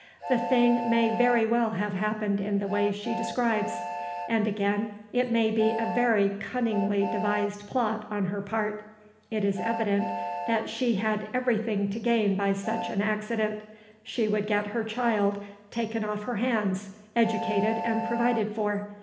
The thing may very well have happened in the way she describes; and again it may be a very cunningly devised plot on her part. It is evident she had everything to gain by such an accident. She would get her child taken off her hands, educated, and provided for.